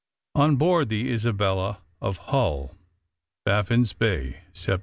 On board the Isabella, of Hull, } Baffin's Bay, Sept.